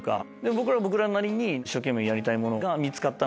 僕らは僕らなりに一生懸命やりたいものが見つかったので。